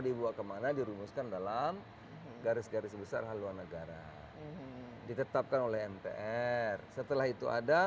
dibawa kemana dirumuskan dalam garis garis besar haluan negara ditetapkan oleh mpr setelah itu ada